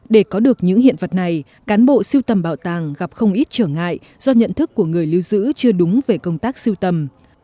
để có được những hiện vật này cán bộ siêu tầm bảo tàng gặp không ít trở ngại do nhận thức của người lưu giữ chưa đúng về công tác siêu tầm